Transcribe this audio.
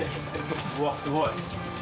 うわっすごい。